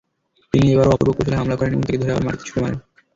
তিনি এবারও অপূর্ব কৌশলে হামলা করেন এবং তাকে ধরে আবার মাটিতে ছুড়ে মারেন।